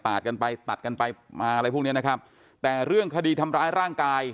กันไปตัดกันไปมาอะไรพวกเนี้ยนะครับแต่เรื่องคดีทำร้ายร่างกาย